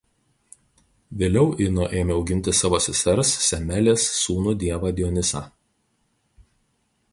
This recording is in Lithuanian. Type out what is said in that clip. Vėliau Ino ėmė auginti savo sesers Semelės sūnų dievą Dionisą.